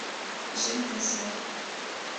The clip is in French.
J’aime ta sœur.